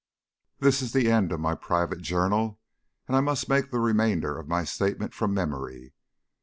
This is the end of my private journal, and I must make the remainder of my statement from memory.